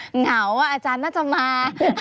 เหงาอาจารย์น่าจะมา